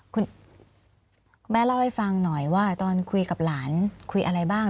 คุณแม่เล่าให้ฟังหน่อยว่าตอนคุยกับหลานคุยอะไรบ้าง